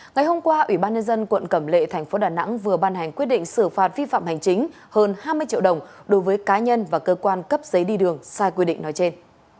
ngày hôm qua ủy ban nhân dân quận cẩm lệ thành phố đà nẵng vừa ban hành quyết định xử phạt vi phạm hành chính hơn hai mươi triệu đồng đối với cá nhân và cơ quan cấp giấy đi đường sai quy định nói trên